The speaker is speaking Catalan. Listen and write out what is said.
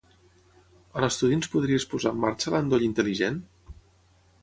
A l'estudi ens podries posar en marxa l'endoll intel·ligent?